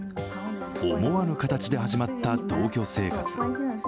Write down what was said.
思わぬ形で始まった同居生活。